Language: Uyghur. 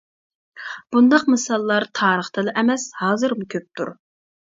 بۇنداق مىساللار تارىختىلا ئەمەس ھازىرمۇ كۆپتۇر.